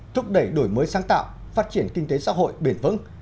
thúc đẩy đổi mới sáng tạo phát triển kinh tế xã hội bền vững